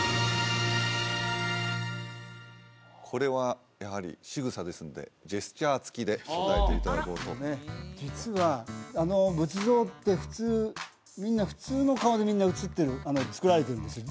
これはやはりしぐさですのでジェスチャーつきで答えていただこうと実はあの仏像って普通みんな普通の顔でつくられてるんですよ